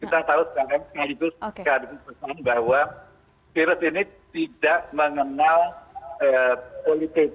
kita tahu sekarang sekaligus pesan bahwa virus ini tidak mengenal politik